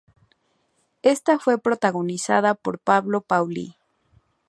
Esta fue protagonizada por Pablo Pauly.